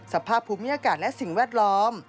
สภาพภูมิอากาศและสิ่งแวดล้อม